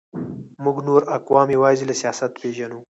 موږ نور اقوام یوازې له سیاست پېژنو.